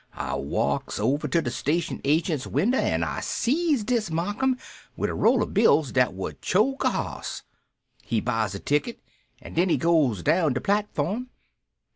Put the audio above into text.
I walks over to de station agent's winder an' I sees dis Marcum wid a roll o' bills dat would choke a hoss. He buys a ticket, an' den he goes down de patform.